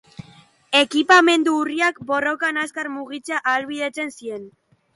Ekipamendu urriak, borrokan azkar mugitzea ahalbidetzen zien.